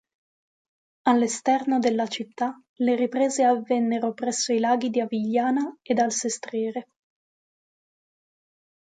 All'esterno della città le riprese avvennero presso i Laghi di Avigliana ed al Sestriere.